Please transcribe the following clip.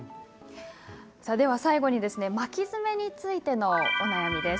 最後は巻き爪についてのお悩みです。